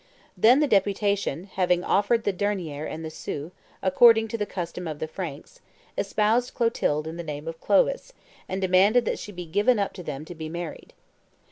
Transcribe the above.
Then the deputation, having offered the denier and the sou, according to the custom of the Franks, espoused Clotilde in the name of Clovis, and demanded that she be given up to them to be married.